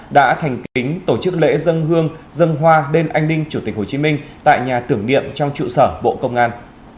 đã thành kính tổ chức lễ dân hương dân hoa đêm anh linh chủ tịch hồ chí minh tại nhà tưởng niệm trong trụ sở bộ công an